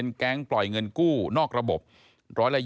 ก็มีการออกรูปรวมปัญญาหลักฐานออกมาจับได้ทั้งหมด